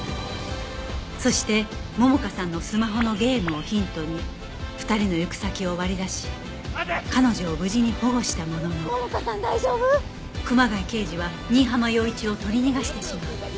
そして桃香さんのスマホのゲームをヒントに２人の行く先を割り出し彼女を無事に保護したものの熊谷刑事は新浜陽一を取り逃がしてしまう